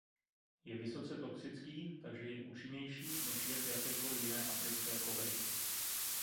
Je vysoce toxický takže je účinnější než jed kterékoli jiné africké kobry.